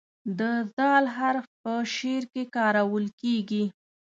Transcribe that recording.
د "ذ" حرف په شعر کې کارول کیږي.